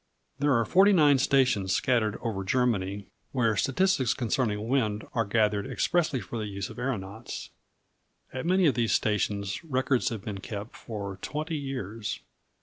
There are forty nine stations scattered over Germany where statistics concerning winds are gathered expressly for the use of aeronauts. At many of these stations records have been kept for twenty years.